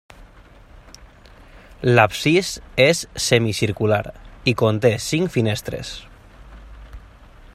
L'absis és semicircular i conté cinc finestres.